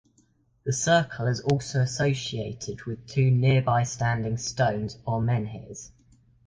The circle is also associated with two nearby standing stones or menhirs.